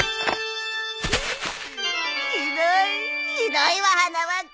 ひどいひどいわ花輪君。